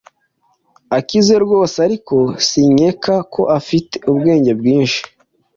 Arakize, rwose, ariko sinkeka ko afite ubwenge bwinshi.